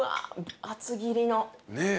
厚切りの。